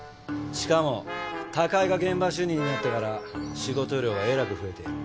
しかも高井が現場主任になってから仕事量がえらく増えている。